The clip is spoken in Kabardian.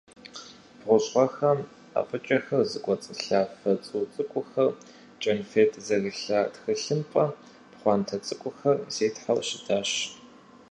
Бгъущӏ гъэхэм, ӏэфӏыкӏэхэр зыкӏуэцӏылъа фэ цӏу цӏыкӏухэр, кӏэнфет зэрылъа тхылъымпӏэ пхъуантэ цӏыкӏухэр зетхьэу щытащ.